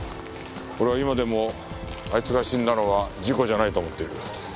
俺は今でもあいつが死んだのは事故じゃないと思っている。